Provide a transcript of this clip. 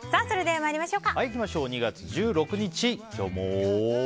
２月１６日、今日も。